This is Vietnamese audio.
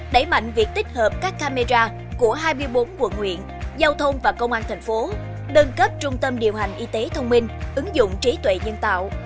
đẩy mạnh việc tích hợp các camera của hai mươi bốn quận huyện giao thông và công an thành phố đơn cấp trung tâm điều hành y tế thông minh ứng dụng trí tuệ nhân tạo